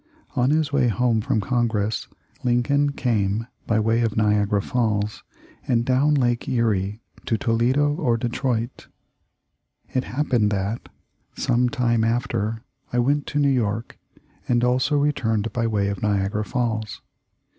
On his way home from Congress Lincoln came by way of Niagara Falls and down Lake Erie to Toledo or Detroit. It happened that, some time THE LIFE OF LINCOLN. 297 after, I went to New York and also returned by way of Niagara Falls.